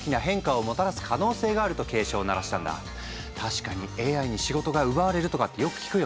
確かに「ＡＩに仕事が奪われる！」とかってよく聞くよね。